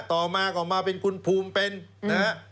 ต่อมาก็มาเป็นคุณภูมิเป็นนะฮะ